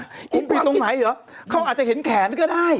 คุณไปตรงไหนเหรอเขาอาจจะเห็นแขนก็ได้